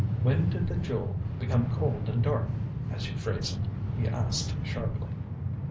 "When did the jewel become cold and dark, as you phrase it?" he asked sharply.